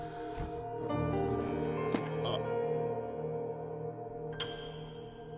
あっ。